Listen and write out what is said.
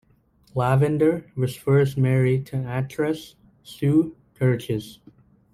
Lavender was first married to actress Sue Kerchiss.